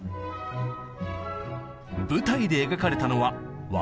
舞台で描かれたのはえ？